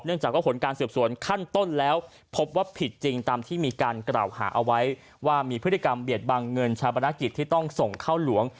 จากว่าผลการสืบสวนขั้นต้นแล้วพบว่าผิดจริงตามที่มีการกล่าวหาเอาไว้ว่ามีพฤติกรรมเบียดบังเงินชาปนกิจที่ต้องส่งเข้าหลวง